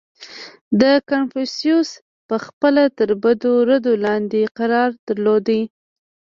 • کنفوسیوس پهخپله تر بدو ردو لاندې قرار درلود.